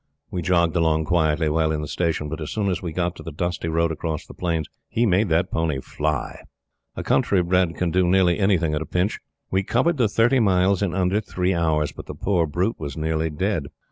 We jogged along quietly while in the station; but as soon as we got to the dusty road across the plains, he made that pony fly. A country bred can do nearly anything at a pinch. We covered the thirty miles in under three hours, but the poor brute was nearly dead.